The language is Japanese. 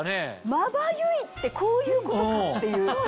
まばゆいってこういうことかっていう。